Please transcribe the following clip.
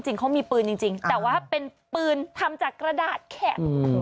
จริงเขามีปืนจริงแต่ว่าเป็นปืนทำจากกระดาษแข็ง